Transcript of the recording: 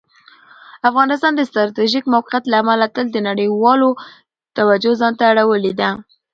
افغانستان د ستراتیژیک موقعیت له امله تل د نړیوالو توجه ځان ته اړولي ده.